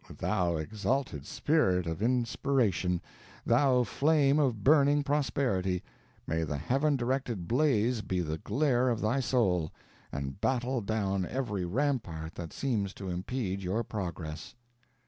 thou exalted spirit of inspiration thou flame of burning prosperity, may the Heaven directed blaze be the glare of thy soul, and battle down every rampart that seems to impede your progress!"